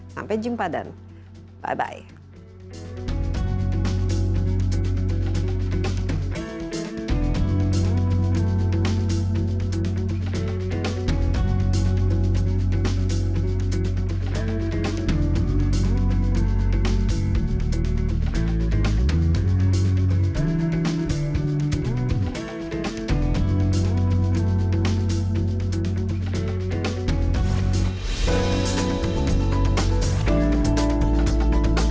sampai jumpa dan bye bye